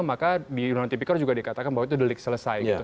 maka di undang undang tipikor juga dikatakan bahwa itu delik selesai gitu